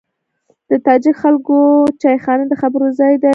د تاجک خلکو چایخانه د خبرو ځای دی.